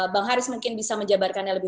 bang haris mungkin bisa menjabarkannya lebih